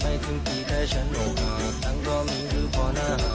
ไม่ทึ่งที่แค่ฉันโอกาสทั้งรอบนี้คือพอหน้าหาว